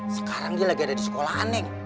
sekarang dia lagi ada di sekolahan nih